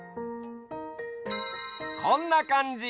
こんなかんじ！